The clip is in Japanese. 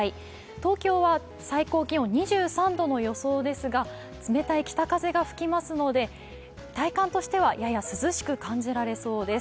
東京は最高気温２３度の予想ですが冷たい北風が吹きますので体感としてはやや涼しく感じられそうです。